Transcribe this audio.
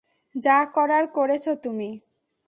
যা করার করেছ তুমি।